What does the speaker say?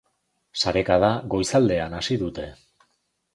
Sarekada goizaldean hasi dute.